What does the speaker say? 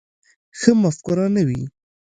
ښه مفکوره نه وي.